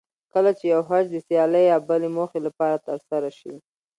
کله چې یو حج د سیالۍ یا بلې موخې لپاره ترسره شي.